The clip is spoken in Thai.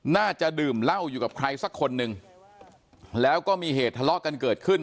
น่าจะดื่มเหล้าอยู่กับใครสักคนหนึ่งแล้วก็มีเหตุทะเลาะกันเกิดขึ้น